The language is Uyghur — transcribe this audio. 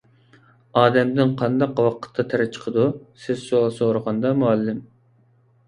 _ ئادەمدىن قانداق ۋاقىتتا تەر چىقىدۇ؟ _ سىز سوئال سورىغاندا، مۇئەللىم.